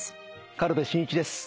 軽部真一です。